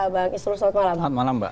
bang isnur selamat malam